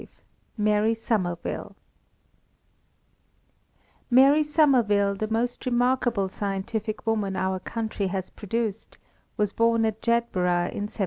V MARY SOMERVILLE MARY SOMERVILLE, the most remarkable scientific woman our country has produced, was born at Jedburgh in 1780.